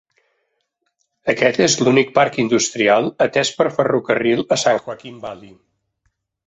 Aquest és l'únic parc industrial atès per ferrocarril a San Joaquin Valley.